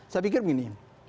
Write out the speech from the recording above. saya pikir begini